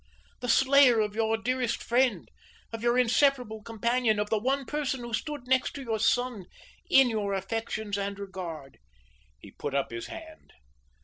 "The slayer of your dearest friend; of your inseparable companion; of the one person who stood next to your son in your affections and regard!" He put up his hand.